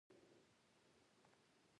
لومړی مبحث : د اسلام د سیاسی نظام مفهوم